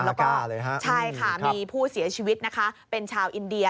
แล้วก็ใช่ค่ะมีผู้เสียชีวิตนะคะเป็นชาวอินเดีย